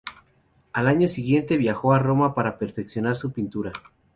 Al año siguiente viajó a Roma para perfeccionar su pintura.